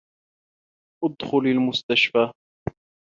أُدخل المستشفى.